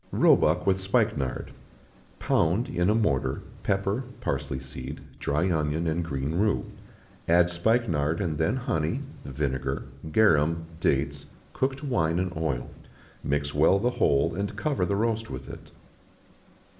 Roebuck with Spikenard. Pound, in a mortar, pepper, parsley seed, dry onion, and green rue; add spikenard, and then honey, vinegar, garum, dates, cooked wine, and oil; mix well the whole, and cover the roast with it.